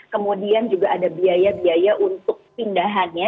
kemudian juga ada biaya biaya untuk pindahannya